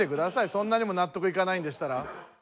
そんなにもなっとくいかないんでしたら。